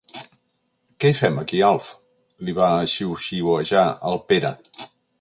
Què hi fem aquí, Alf? —li va xiuxiuejar el Pere.